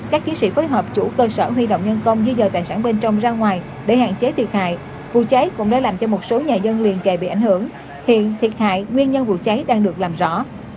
các chiến sĩ phối hợp chủ cơ sở huy động nhân công di dời tài sản bên trong ra ngoài để hạn chế thiệt hại vụ cháy cũng đã làm cho một số nhà dân liền kề bị ảnh hưởng hiện thiệt hại nguyên nhân vụ cháy đang được làm rõ